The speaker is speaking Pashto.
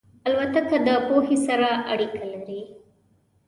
الوتکه د پوهې سره اړیکه لري.